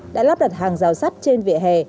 đã lắp đặt hàng rào sắt trên vỉa hè